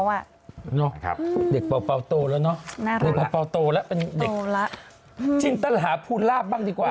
ดูเหรอครับเด็กเป่าโตแล้วเนอะเป็นเด็กจินตะหาภูราบบ้างดีกว่า